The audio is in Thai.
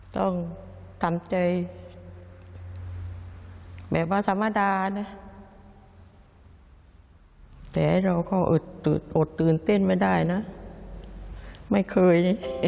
ต้องทำใจแบบว่าธรรมดานะแต่เราก็อดตื่นเต้นไม่ได้นะไม่เคยนี่